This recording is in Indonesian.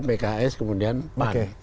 pks kemudian pan